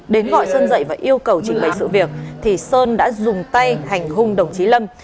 đến gọi sơn dậy và yêu cầu trình bày sự việc thì sơn đã dùng tay hành hung đồng chí lâm